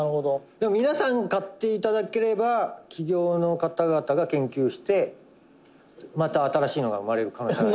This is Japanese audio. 「でも、皆さんに買って頂ければ企業の方々が研究してまた新しいのが生まれる可能性がある」